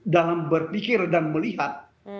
dalam berpikir dan melihat